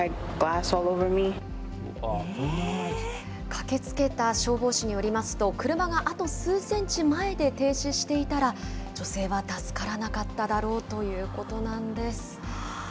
駆けつけた消防士によりますと、車があと数センチ前で停止していたら、女性は助からなかっただろうということなんです。